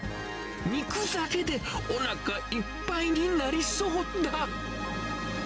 肉だけでおなかいっぱいになりそうだ。